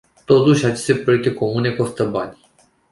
Totuși, aceste proiecte comune costă bani.